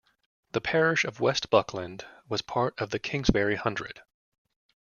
The parish of West Buckland was part of the Kingsbury Hundred.